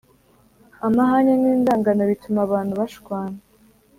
amahane n’inzangano bituma abantu bashwana